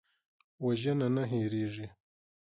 وژنه نه هېریږي